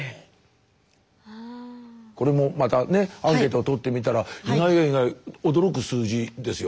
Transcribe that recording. これもまたねアンケートをとってみたら意外や意外驚く数字ですよ。